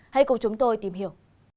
hãy cùng chúng tôi tìm hiểu